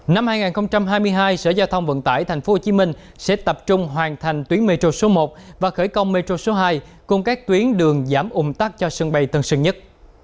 năm hai nghìn hai mươi hai sở giao thông vận tải tp hcm sẽ tập trung hoàn thành tuyến metro số một và khởi công metro số hai cùng các tuyến đường giảm ung tắc cho sân bay tân sơn nhất